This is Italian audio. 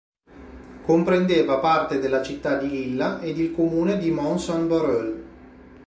Comprendeva parte della città di Lilla ed il comune di Mons-en-Barœul.